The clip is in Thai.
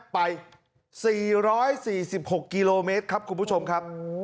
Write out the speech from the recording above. ไป๔๔๖กิโลเมตรครับคุณผู้ชมครับ